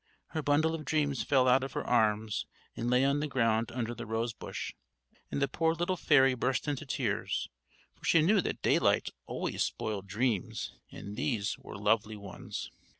Her bundle of dreams fell out of her arms, and lay on the ground under the rose bush; and the poor little fairy burst into tears, for she knew that daylight always spoiled dreams, and these were very lovely ones.